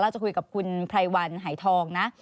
จะคุยกับคุณไพรวันหายทองนะ